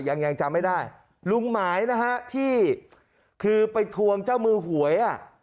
ยังยังจำไม่ได้ลุงหมายนะฮะที่คือไปทวงเจ้ามือหวยอ่ะ